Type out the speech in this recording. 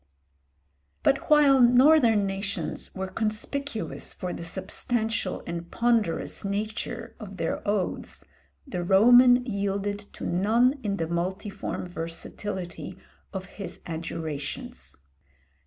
But while northern nations were conspicuous for the substantial and ponderous nature of their oaths, the Roman yielded to none in the multiform versatility of his adjurations.